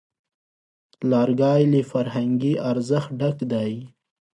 لرګی له فرهنګي ارزښت ډک دی.